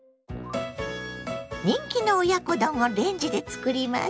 人気の親子丼をレンジで作ります。